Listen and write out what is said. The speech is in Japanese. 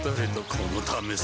このためさ